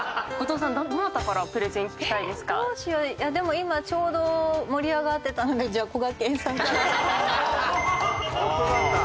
でも今ちょうど盛り上がってたのでじゃあこがけんさんから。